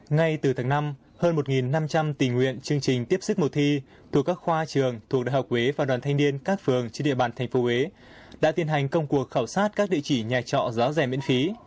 ngay từ tháng năm hơn một năm trăm linh tình nguyện chương trình tiếp sức mùa thi thuộc các khoa trường thuộc đại học huế và đoàn thanh niên các phường trên địa bàn tp huế đã tiến hành công cuộc khảo sát các địa chỉ nhà trọ giá rẻ miễn phí